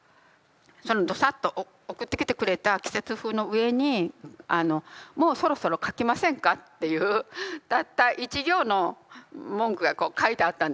そのドサッと送ってきてくれた「季節風」の上に「もうそろそろ書きませんか」っていうたった１行の文句がこう書いてあったんですよ。